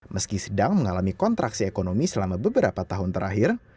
meski sedang mengalami kontraksi ekonomi selama beberapa tahun terakhir